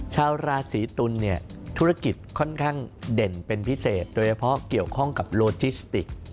ชาวราศีตุลเนี่ยธุรกิจค่อนข้างเด่นเป็นพิเศษโดยเฉพาะเกี่ยวข้องกับโลจิสติก